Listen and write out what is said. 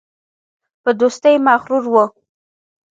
په دوستۍ مغرور وو.